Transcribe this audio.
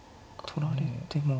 取られても。